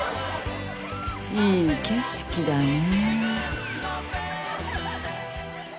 いい景色だね。